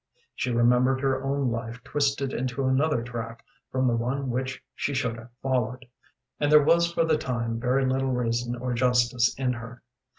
She remembered her own life twisted into another track from the one which she should have followed, and there was for the time very little reason or justice in her.